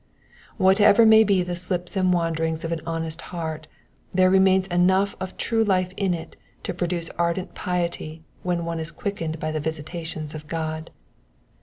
Whatever may be the slips and wanderings of an hondst heart, there remains enough of true life in it to produce ardent piety when once it is quickened by the visitations of God.